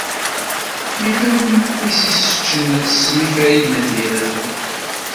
Yella win i s-iseččen ssem i Farid n At Yiraten.